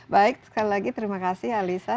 baik sekali lagi terima kasih alisa